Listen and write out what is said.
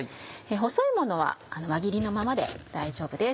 細いものは輪切りのままで大丈夫です。